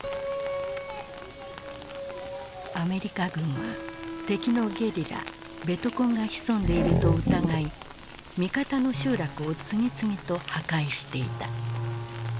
アメリカ軍は敵のゲリラ「ベトコン」が潜んでいると疑い味方の集落を次々と破壊していた。